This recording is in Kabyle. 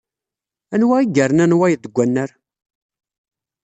Anwa i yernan wayeḍ deg wannar?